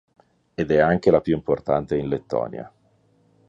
Ed anche la più importante in Lettonia.